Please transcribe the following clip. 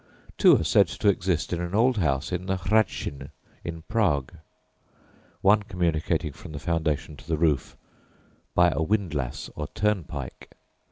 Two are said to exist in an old house in the Hradschin in Prague one communicating from the foundation to the roof "by a windlass or turnpike."